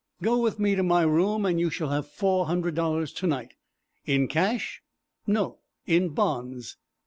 "Go with me to my room, and you shall have four hundred dollars to night." "In cash?" "No; in bonds."